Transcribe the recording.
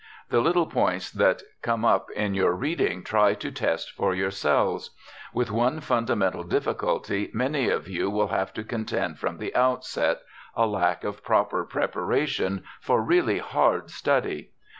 The little points that come up in your reading try to test for yourselves. With one fundamental difficulty many of you will have to contend from the outset a lack of proper preparation for really hard study.